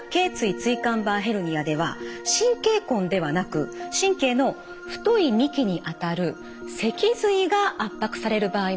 椎間板ヘルニアでは神経根ではなく神経の太い幹にあたる脊髄が圧迫される場合もあります。